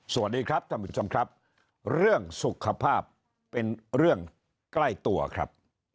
สวัสดีครับท่านผู้ชมครับเรื่องสุขภาพเป็นเรื่องใกล้ตัวครับ